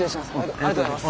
ありがとうございます。